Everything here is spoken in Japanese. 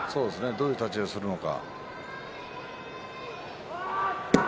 どういう立ち合いをするのか。